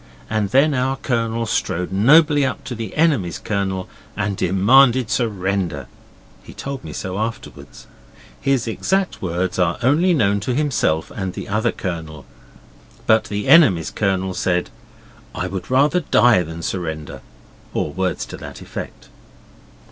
And then our Colonel strode nobly up to the enemy's Colonel and demanded surrender. He told me so afterwards. His exact words are only known to himself and the other Colonel. But the enemy's Colonel said, 'I would rather die than surrender,' or words to that effect.